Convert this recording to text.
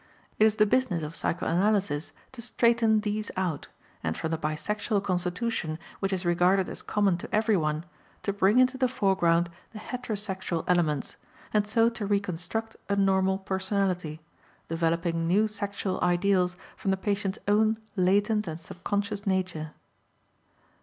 It is the business of psychoanalysis to straighten these out, and from the bisexual constitution, which is regarded as common to every one, to bring into the foreground the heterosexual elements, and so to reconstruct a normal personality, developing new sexual ideals from the patient's own latent and subconscious nature.